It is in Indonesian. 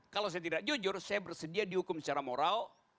kalau saya tidak jujur saya bersedia dihukum secara moral